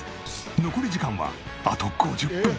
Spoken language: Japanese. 残り時間はあと５０分。